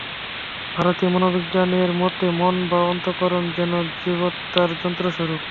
ভারতীয় মনোবিজ্ঞানের মতে মন বা অন্তঃকরণ যেন জীবাত্মার যন্ত্রস্বরূপ।